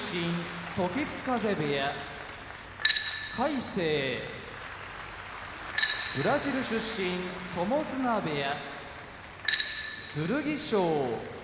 時津風部屋魁聖ブラジル出身友綱部屋剣翔